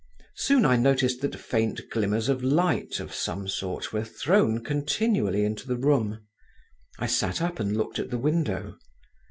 Soon I noticed that faint glimmers of light of some sort were thrown continually into the room…. I sat up and looked at the window.